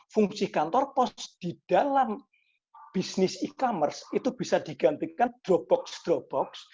fungsi kantor pos di dalam bisnis e commerce itu bisa digantikan dropbox drop box